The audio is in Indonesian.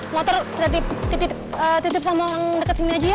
motor titip sama orang dekat sini aja ya